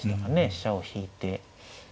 飛車を引いて。